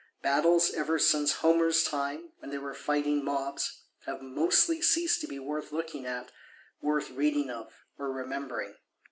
Battles ever since Homer's time, when they were Fighting Mobs, have mostly ceased to be worth looking at, worth reading of, or remembering.